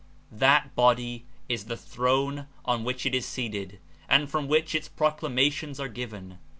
That body is the throne on which it is seated and from which Its proclamations are given.